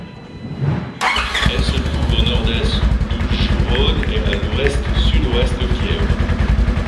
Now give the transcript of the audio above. Elle se trouve à au nord-est d'Oujhorod et à à l'ouest-sud-ouest de Kiev.